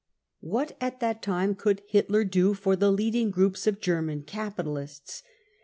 What at that time could Hitler do for the leading groups of German capitalists